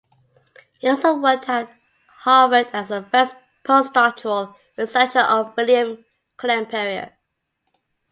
He also worked at Harvard as the first postdoctoral researcher of William Klemperer.